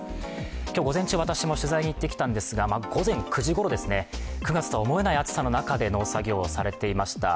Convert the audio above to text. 今日午前中、私も取材に行ってきたんですけれども午前９時ごろですね、９月とは思えない暑さの中で農作業をされていました。